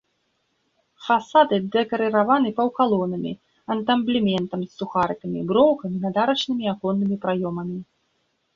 Фасады дэкарыраваны паўкалонамі, антаблементам з сухарыкамі, броўкамі над арачнымі аконнымі праёмамі.